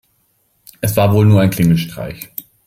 Es war wohl nur ein Klingelstreich.